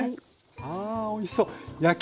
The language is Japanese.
あおいしそう。